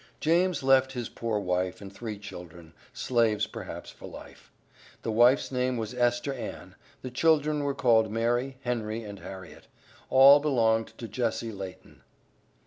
James left his poor wife, and three children, slaves perhaps for life. The wife's name was Esther Ann, the children were called Mary, Henry, and Harriet. All belonged to Jesse Laten.